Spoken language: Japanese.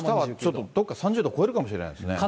あしたはどっか３０度超えるかもしれないですね。